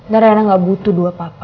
dan rena gak butuh dua papa